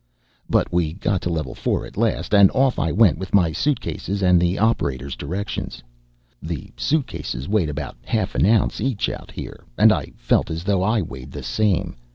But we got to level four at last, and off I went with my suitcases and the operator's directions. The suitcases weighed about half an ounce each out here, and I felt as though I weighed the same.